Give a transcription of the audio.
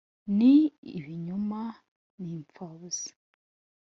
ni ibinyoma n’impfabusa!